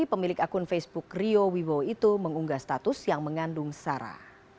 pemilik akun facebook rio wibowo itu mengunggah status yang mengandung sara